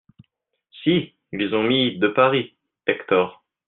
Si, ils ont mis : "de Paris." Hector.